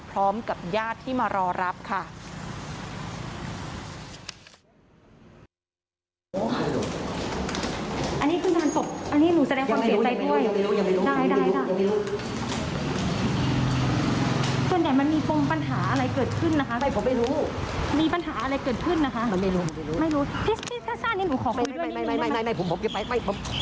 พร้อมกับญาติที่มารอรับค่ะ